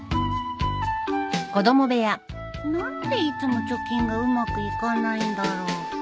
何でいつも貯金がうまくいかないんだろう